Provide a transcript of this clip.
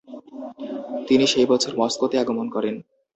তিনি সেই বছর মস্কোতে আগমন করেন।